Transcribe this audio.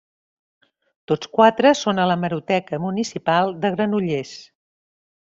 Tots quatre són a l'hemeroteca municipal de Granollers.